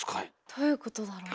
どういうことだろう？